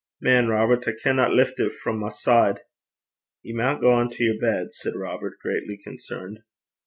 Man, Robert, I canna lift it frae my side.' 'Ye maun gang to yer bed,' said Robert, greatly concerned.